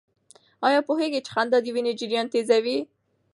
آیا پوهېږئ چې خندا د وینې جریان تېزوي؟